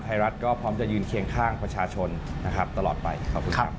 ไทยรัฐก็พร้อมจะยืนเคียงข้างประชาชนนะครับตลอดไปขอบคุณครับ